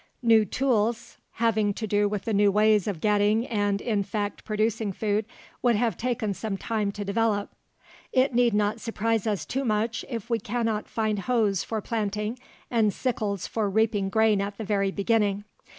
New tools having to do with the new ways of getting and, in fact, producing food would have taken some time to develop. It need not surprise us too much if we cannot find hoes for planting and sickles for reaping grain at the very beginning.